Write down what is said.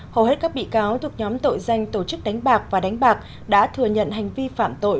hầu hết các bị cáo thuộc nhóm tội danh tổ chức đánh bạc và đánh bạc đã thừa nhận hành vi phạm tội